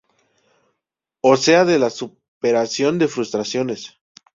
O sea de la superación de frustraciones".